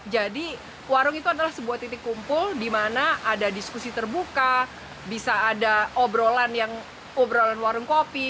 warung itu adalah sebuah titik kumpul di mana ada diskusi terbuka bisa ada obrolan yang obrolan warung kopi